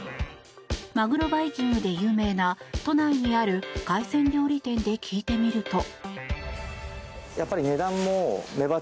マグロバイキングで有名な都内にある海鮮料理店で聞いてみると。